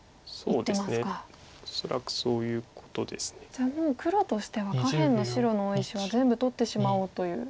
じゃあもう黒としては下辺の白の大石は全部取ってしまおうという。